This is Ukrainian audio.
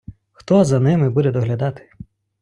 Хто за ними буде доглядати?